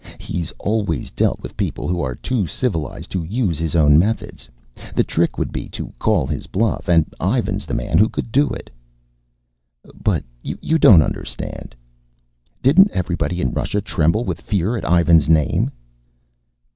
He's always dealt with people who are too civilized to use his own methods. The trick would be to call his bluff. And Ivan's the man who could do it." "But you don't understand." "Didn't everybody in Russia tremble with fear at Ivan's name?"